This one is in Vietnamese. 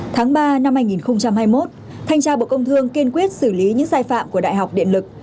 tháng ba năm hai nghìn hai mươi một thanh tra bộ công thương kiên quyết xử lý những sai phạm của đại học điện lực